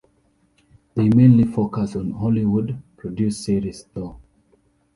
They mainly focus on Hollywood produced series though.